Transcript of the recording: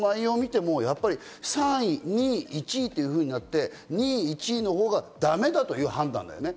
実際この内容を見ても３位、２位、１位とあって、２位、１位のほうがだめだという判断だね。